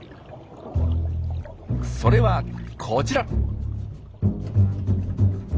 それはこちら。